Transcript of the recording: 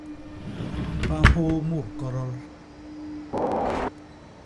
Ba nhôô mut kodol.